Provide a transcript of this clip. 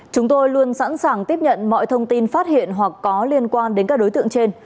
chúng tôi luôn sẵn sàng tiếp nhận mọi thông tin phát hiện hoặc có liên quan đến các đối tượng trên